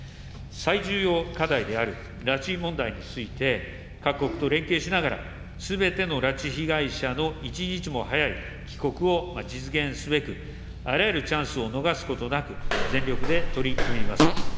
最重要課題である拉致問題について、各国と連携しながら、すべての拉致被害者の一日も早い帰国を実現すべく、あらゆるチャンスを逃すことなく、全力で取り組みます。